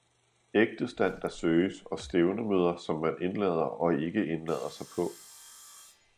ægtestand, der søges og stævnemøder, som man indlader og ikke indlader sig på!